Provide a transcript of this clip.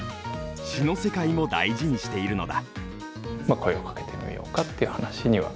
詞の世界も大事にしているのだ。